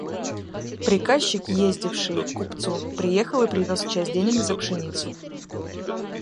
Приказчик, ездивший к купцу, приехал и привез часть денег за пшеницу.